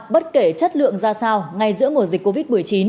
bất kể chất lượng ra sao ngay giữa mùa dịch covid một mươi chín